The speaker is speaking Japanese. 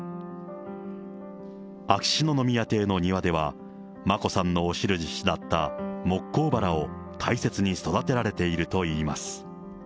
秋篠宮邸の庭では、眞子さんのお印だったモッコウバラを大切に育てられているといいます。